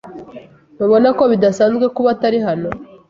Ntubona ko bidasanzwe kuba atari hano?